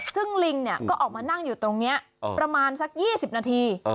ซึ่งลิงก็ออกมานั่งอยู่ตรงนี้ประมาณสัก๒๐นาที